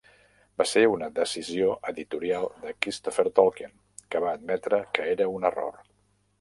Va ser una decisió editorial de Christopher Tolkien, que va admetre que era un error.